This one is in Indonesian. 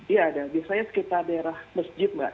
iya ada biasanya sekitar daerah masjid mbak